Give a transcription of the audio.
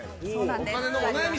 お金のお悩み